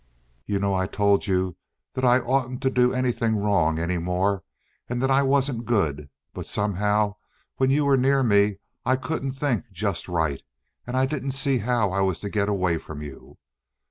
"You know I told you that I oughtn't to do anything wrong any more and that I wasn't good, but somehow when you were near me I couldn't think just right, and I didn't see just how I was to get away from you.